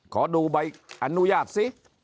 ขอดูใบอนุญาตซิ